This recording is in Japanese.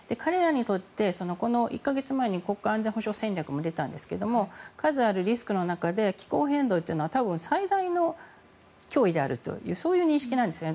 １か月前に国家安全保障戦略も出たんですが数あるリスクの中で気候変動っていうのは多分、最大の脅威であるとそういう認識なんですね。